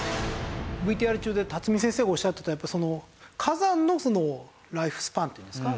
ＶＴＲ中で巽先生がおっしゃってたやっぱり火山のライフスパンっていうんですか？